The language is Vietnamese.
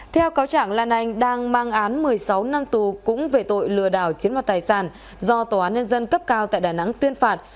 theo cáo trạng lan anh đang mang án một mươi sáu năm tù cũng về tội lừa đảo chiến mặt tài sản do tòa án nhân dân cấp cao tại đà nẵng tuyên phạt